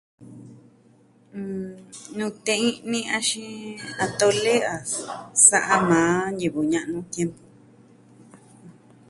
Nute i'ni axin atole a sa'a majan ñivɨ ña'nu tiempu.